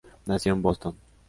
Nació en Boston.